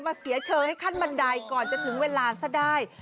เสียเชอให้ขั้นบันไดก่อนจะถึงเวลาซะได้